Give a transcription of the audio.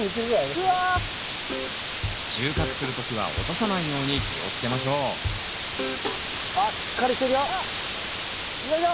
収穫する時は落とさないように気をつけましょうあっしっかりしてるよ。よいしょ！